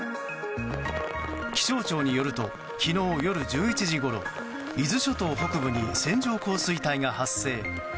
気象庁によると昨日午後１１時ごろ伊豆諸島北部に線状降水帯が発生。